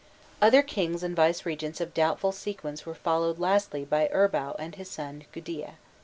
Other kings and vicegerents of doubtful sequence were followed lastly by Urbau and his son Gudea.